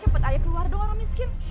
cepet aja keluar dong orang miskin